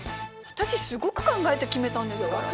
私すごく考えて決めたんですから。